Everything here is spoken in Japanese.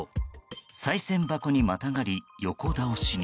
さい銭箱にまたがり横倒しに。